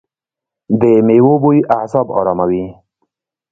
د میوو بوی اعصاب اراموي.